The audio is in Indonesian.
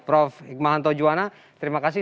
prof hikmahanto juwana terima kasih